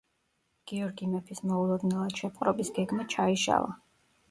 გიორგი მეფის მოულოდნელად შეპყრობის გეგმა ჩაიშალა.